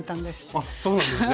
あっそうなんですね。